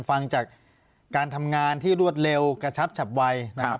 ฟังจากการทำงานที่รวดเร็วกระชับฉับไวนะครับ